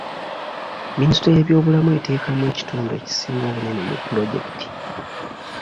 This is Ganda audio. Minisitule y'ebyobulamu eteekamu ekitundu ekisinga obunene mu pulojekiti.